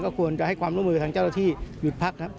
ก็ควรจะให้ความร่วมมือคล่องเจ้าที่หยุดพักครับ